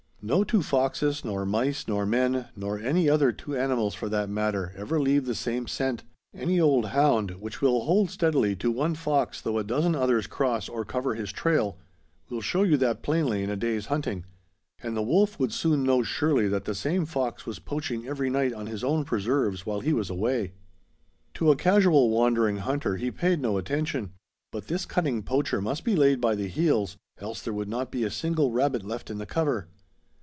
No two foxes, nor mice, nor men, nor any other two animals for that matter, ever leave the same scent, any old hound, which will hold steadily to one fox though a dozen others cross or cover his trail, will show you that plainly in a day's hunting, and the wolf would soon know surely that the same fox was poaching every night on his own preserves while he was away. To a casual, wandering hunter he paid no attention; but this cunning poacher must be laid by the heels, else there would not be a single rabbit left in the cover.